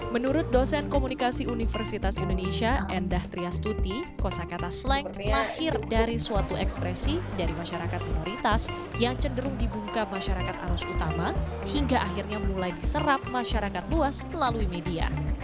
menurut dosen komunikasi universitas indonesia endah triastuti kosa kata slang lahir dari suatu ekspresi dari masyarakat minoritas yang cenderung dibuka masyarakat arus utama hingga akhirnya mulai diserap masyarakat luas melalui media